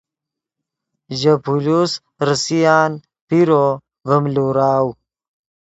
ژے پولیس ریسان پیرو ڤیم لوراؤ